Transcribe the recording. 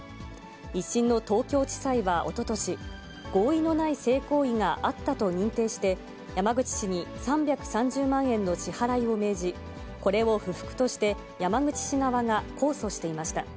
１審の東京地裁はおととし、合意のない性行為があったと認定して、山口氏に３３０万円の支払いを命じ、これを不服として、山口氏側が控訴していました。